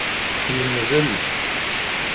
Yemmzel.